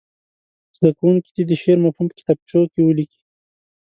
زده کوونکي دې د شعر مفهوم په کتابچو کې ولیکي.